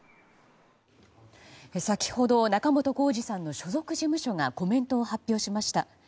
先ほど仲本工事さんの所属事務所がコメントを発表しました。